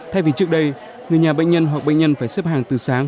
thay vì trước đây người nhà bệnh nhân hoặc bệnh nhân phải xếp hàng từ sáng